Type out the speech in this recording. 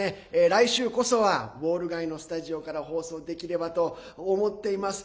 来週こそはウォール街のスタジオから放送できればと思っています。